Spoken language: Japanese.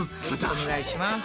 お願いします。